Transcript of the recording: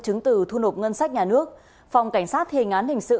trứng tử thu nộp ngân sách nhà nước phòng cảnh sát thề ngán hình sự